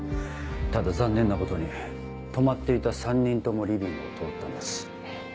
ただ残念なことに泊まっていた３人ともリビングを通ったんです。